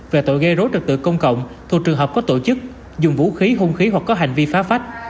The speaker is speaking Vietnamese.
về tội gây rối trật tự công cộng thuộc trường hợp có tổ chức dùng vũ khí hung khí hoặc có hành vi phá phách